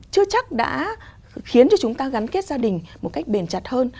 chưa chắc đã khiến cho chúng ta gắn kết gia đình một cách bền chặt hơn